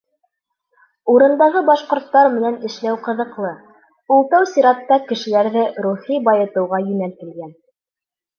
Урындағы башҡорттар менән эшләү ҡыҙыҡлы, ул тәү сиратта кешеләрҙе рухи байытыуға йүнәлтелгән.